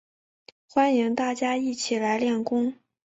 欢迎大家一起来练功